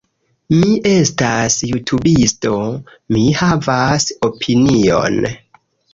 Mi estas jutubisto. Mi havas opinion.